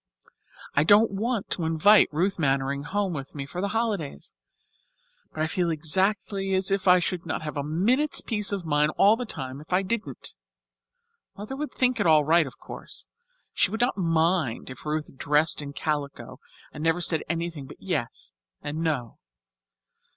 I don't want to invite Ruth Mannering home with me for the holidays, but I feel exactly as if I should not have a minute's peace of mind all the time if I didn't. Mother would think it all right, of course. She would not mind if Ruth dressed in calico and never said anything but yes and no.